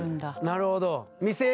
なるほど。